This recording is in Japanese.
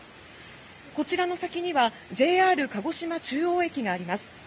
こちらの先にはＪＲ鹿児島中央駅があります。